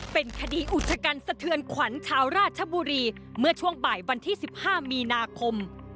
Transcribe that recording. เป็นคดีอุทธกันสะเทือนขวัญชาวราชบุรีเมื่อช่วงบ่ายวันที่๑๕มีนาคม